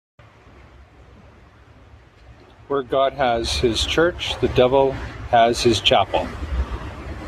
Where God has his church, the devil will have his chapel.